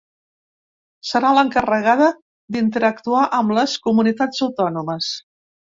Serà l’encarregada d’interactuar amb les comunitats autònomes.